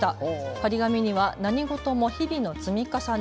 張り紙には何事も日々の積み重ね。